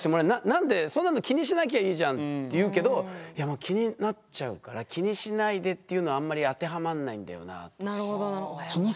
「何でそんなの気にしなきゃいいじゃん」って言うけど気になっちゃうから「気にしないで」っていうのはあんまり当てはまんないんだよなぁ。